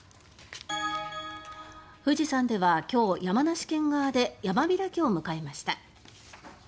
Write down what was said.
富士山では今日、山梨県側で山開きを迎えました。